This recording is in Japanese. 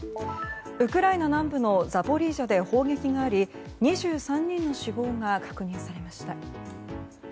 ウクライナ南部のザポリージャで砲撃があり、２３人の死亡が確認されました。